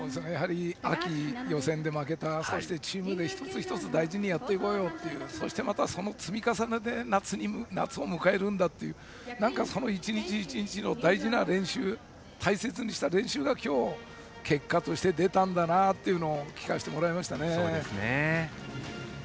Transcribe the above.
秋、予選で負けたとしてチームで一つ一つ大事にやっていこうというそしてその積み重ねで夏を迎えるんだというその１日１日の大事な練習大切にした練習が今日、結果として出たんだなと聞かせてもらいましたね。